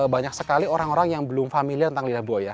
banyak sekali orang orang yang belum familiar tentang lidah buaya